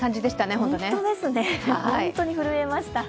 本当に震えました。